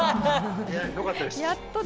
よかったです。